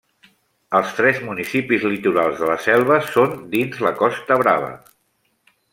Els tres municipis litorals de la Selva són dins la Costa Brava.